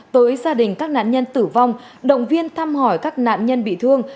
tới gia đình các nạn nhân tử vong động viên thăm hỏi các nạn nhân bị thương